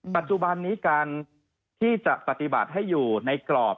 ปัจจุบันนี้การที่จะปฏิบัติให้อยู่ในกรอบ